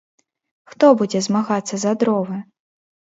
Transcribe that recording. Хто будзе змагацца за дровы?